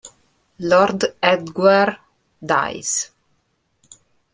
Lord Edgware Dies